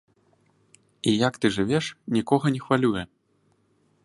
І як ты жывеш, нікога не хвалюе!